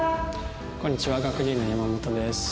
こんにちは学芸員の山本です。